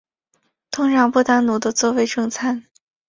通常不单独地作为正餐。